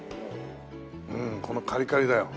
うんこのカリカリだよ。